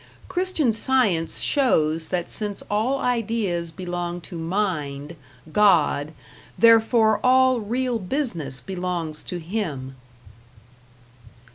Christian Science shows that since all ideas belong to Mind, God, therefore all real business belongs to Him.